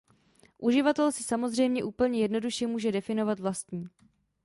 Uživatel si samozřejmě úplně jednoduše může definovat vlastní.